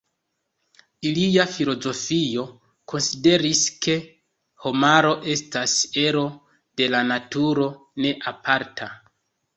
Ilia filozofio konsideris, ke homaro estas ero de la naturo, ne aparta.